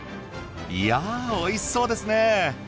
いやぁおいしそうですね。